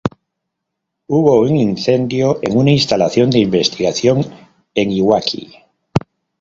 Hubo un incendio en una instalación de investigación en Iwaki.